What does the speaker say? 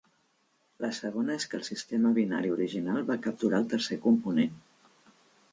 La segona és que el sistema binari original va capturar el tercer component.